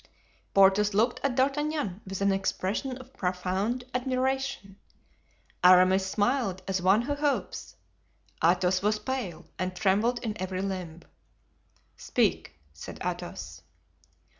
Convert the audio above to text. Porthos looked at D'Artagnan with an expression of profound admiration. Aramis smiled as one who hopes. Athos was pale, and trembled in every limb. "Speak," said Athos.